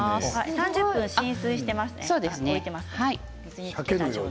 ３０分浸水していますね。